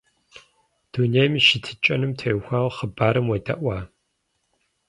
Дунейм и щытыкӏэнум теухуа хъыбарым уедэӏуа?